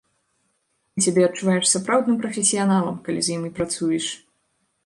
Ты сябе адчуваеш сапраўдным прафесіяналам, калі з імі працуеш.